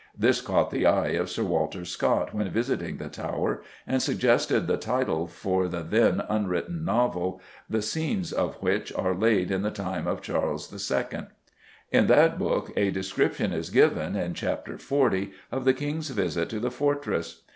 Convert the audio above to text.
This caught the eye of Sir Walter Scott when visiting the Tower, and suggested the title for the then unwritten novel, the scenes of which are laid in the time of Charles II. In that book a description is given, in chapter xl, of the King's visit to the fortress.